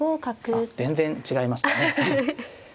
あっ全然違いましたね。